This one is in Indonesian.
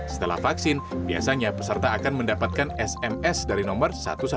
setelah vaksin biasanya peserta akan mendapatkan sms dari nomor seribu satu ratus sembilan puluh sembilan